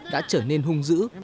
đã trở nên hung dữ